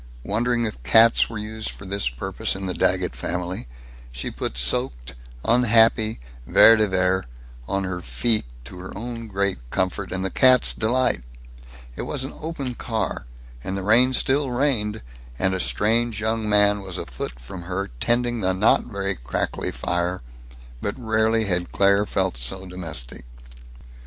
Wondering if cats were used for this purpose in the Daggett family, she put soaked, unhappy Vere de Vere on her feet, to her own great comfort and the cat's delight. It was an open car, and the rain still rained, and a strange young man was a foot from her tending the not very crackly fire, but rarely had Claire felt so domestic.